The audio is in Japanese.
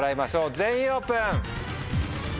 全員オープン！